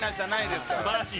すばらしい。